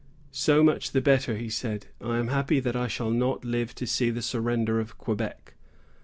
"So much the better," he said; "I am happy that I shall not live to see the surrender of Quebec."